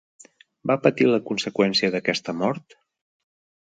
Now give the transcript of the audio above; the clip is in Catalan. Va patir la conseqüència d'aquesta mort?